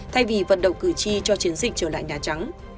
thay vì vận động cử tri cho chiến dịch trở lại nhà trắng